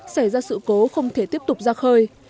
xảy ra sự cố không thể tiếp tục ra khơi